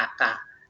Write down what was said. jadi atas itu